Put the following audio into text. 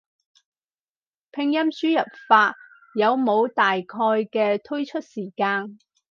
拼音輸入法有冇大概嘅推出時間？